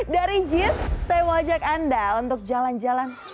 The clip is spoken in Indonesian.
dari jis saya mau ajak anda untuk jalan jalan